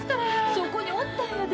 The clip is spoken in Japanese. そこにおったんやで。